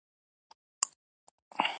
د جنسي اړيکې لپاره لېوالتيا ده.